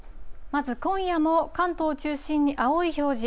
まず今夜も関東中心に青い表示。